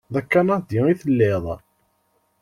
D akanadi i telliḍ?